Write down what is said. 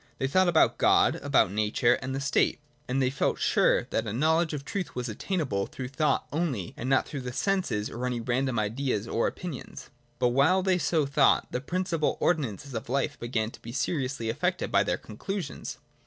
They thought about God, about Nature, and the State ; and they felt sure that a knowledge of the truth was obtainable through thought only, and not through the senses or any random ideas or opinions. But while they so thought, the principal ordi nances of life began to be seriously affected by their con clusions.